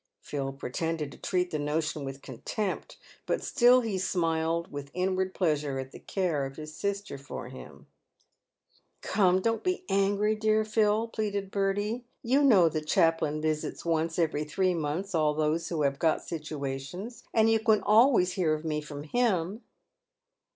Phil pretended to treat the notion with contempt, but still he smiled with inward pleasure at the care of his sister for him. " Come, don't be angry, dear Phil," pleaded Bertie ;" you know the chaplain visits once every three months all those who have got situations, and you can always hear of me from him."